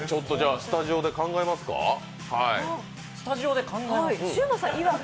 スタジオで考えますか？